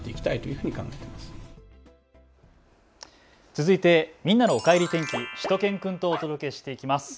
続いてみんなのおかえり天気、しゅと犬くんとお届けしていきます。